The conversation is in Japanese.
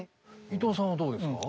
伊藤さんはどうですか？